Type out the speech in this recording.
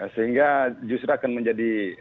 sehingga justru akan menjadi